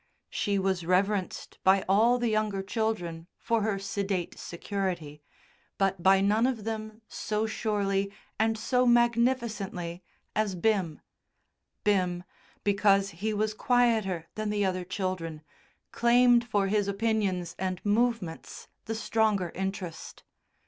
She was reverenced by all the younger children for her sedate security, but by none of them so surely and so magnificently as Bim. Bim, because he was quieter than the other children, claimed for his opinions and movements the stronger interest.